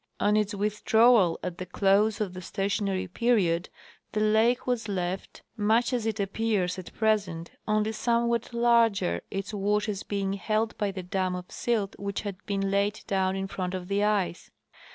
On its Avith drawal at the close of the stationary period, the lake was left . Evidence of non Glaciation. 157 much as it appears at present, only somewhat larger, its waters being held by the dam of silt which had been laid down in front of the ice.